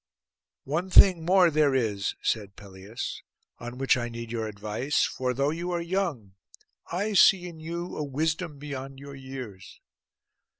'One thing more there is,' said Pelias, 'on which I need your advice; for, though you are young, I see in you a wisdom beyond your years.